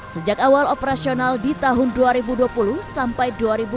sejak awal operasional di tahun dua ribu dua puluh sampai dua ribu dua puluh